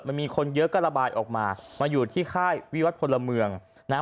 มันมีคนเยอะก็ระบายออกมามาอยู่ที่ค่ายวิวัตรพลเมืองนะฮะ